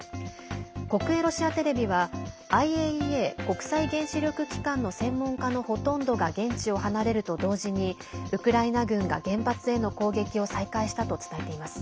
国営ロシアテレビはＩＡＥＡ＝国際原子力機関の専門家のほとんどが現地を離れると同時にウクライナ軍が原発への攻撃を再開したと伝えています。